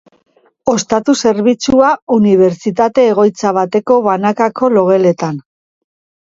Ostatu zerbitzua, unibertsitate egoitza bateko banakako logeletan.